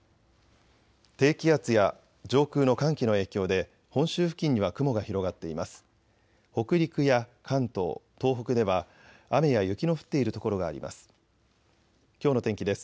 低気圧や上空の寒気の影響で本州付近には雲が広がっています。